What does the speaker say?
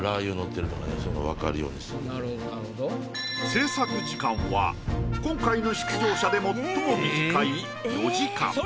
制作時間は今回の出場者で最も短い４時間。